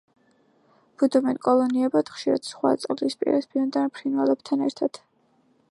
ბუდობენ კოლონიებად, ხშირად სხვა წყლის პირას ბინადარ ფრინველებთან ერთად.